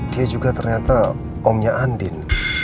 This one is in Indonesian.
dia juga ternyata omnya andin